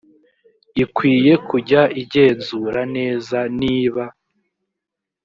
ikwiye kujya igenzura neza niba